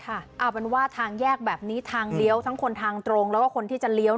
เอาเป็นว่าทางแยกแบบนี้ทางเลี้ยวทั้งคนทางตรงแล้วก็คนที่จะเลี้ยว